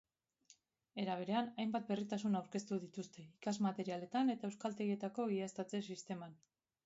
Era berean, hainbat berritasun aurkeztu dituzte ikasmaterialetan eta euskaltegietako egiaztatze sisteman.